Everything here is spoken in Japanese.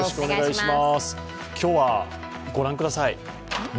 今日は、ご覧ください。